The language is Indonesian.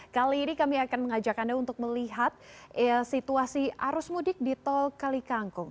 kali ini kami akan mengajak anda untuk melihat situasi arus mudik di tol kali kangkung